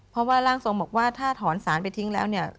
เพราะว่าร่างทรงบอกว่าถ้าถอนสารไปทิ้งแล้วเนี่ย